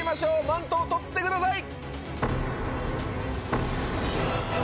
マントを取ってください！